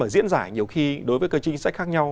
diễn giải nhiều khi đối với cơ chế chính sách khác nhau